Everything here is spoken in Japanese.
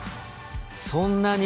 そんなに？